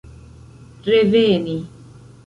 reveni